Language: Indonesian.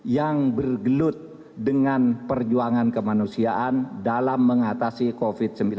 yang bergelut dengan perjuangan kemanusiaan dalam mengatasi covid sembilan belas